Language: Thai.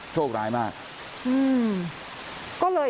โชคร้ายมาก